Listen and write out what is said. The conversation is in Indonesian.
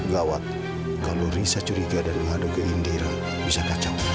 gawat kalau riza curiga dan mengadu ke indira bisa kacau